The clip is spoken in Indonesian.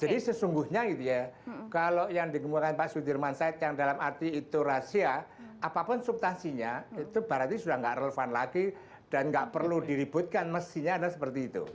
jadi sesungguhnya gitu ya kalau yang dikembangkan pak sudirman said yang dalam arti itu rahasia apapun subtansinya itu berarti sudah tidak relevan lagi dan tidak perlu diributkan mestinya ada seperti itu